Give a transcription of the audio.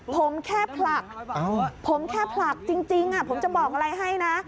ผมแค่ผลักจริงผมจะบอกอะไรให้นะ